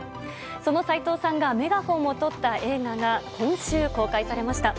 その斎藤さんがメガホンをとった映画が今週公開されました。